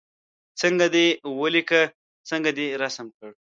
څنګه دې ولیکه څنګه دې رسم کړ.